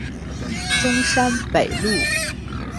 中山北路